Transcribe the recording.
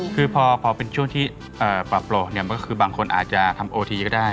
คือพอเป็นช่วงที่ปรับโปรดเนี่ยมันก็คือบางคนอาจจะทำโอทีก็ได้